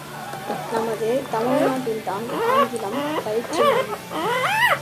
நமது தமிழ் நாட்டில் தான் ஆங்கிலம் பயிற்று மொழி!